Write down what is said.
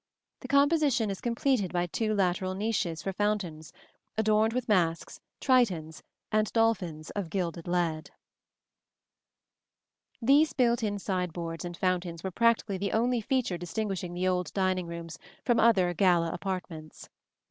The composition is completed by two lateral niches for fountains, adorned with masks, tritons and dolphins of gilded lead." [Illustration: PLATE LII. DINING CHAIR, LOUIS XIV PERIOD.] These built in sideboards and fountains were practically the only feature distinguishing the old dining rooms from other gala apartments.